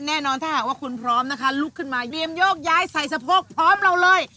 แน่นอนถ้าหากว่าคุณพร้อมนะคะลุกขึ้นมาเยี่ยมโยกย้ายใส่สะโพกพร้อมเราเลย